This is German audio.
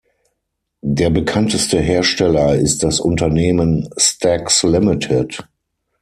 Der bekannteste Hersteller ist das Unternehmen Stax Ltd.